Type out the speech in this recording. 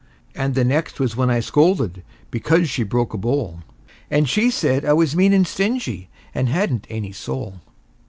And the next was when I scolded because she broke a bowl; And she said I was mean and stingy, and hadn't any soul.